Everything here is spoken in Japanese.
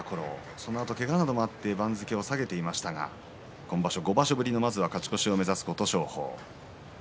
そのあと、けがなどもあって番付を下げましたが今場所５場所ぶりの勝ち越しを目指す、琴勝峰。